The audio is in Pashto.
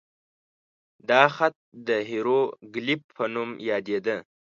دا خط د هیروګلیف په نوم یادېده.